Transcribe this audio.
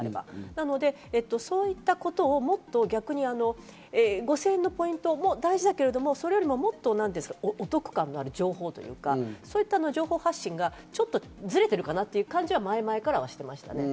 なので、そういったことをもっと逆に、５０００円のポイントも大事だけど、それよりももっとお得感のある情報というか、そういった情報発信がちょっとずれてるかなという感じは前々からしてました。